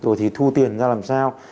rồi thì thu tiền ra làm sao